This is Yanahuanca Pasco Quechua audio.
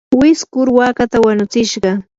wiskur waakata wanutsishqa.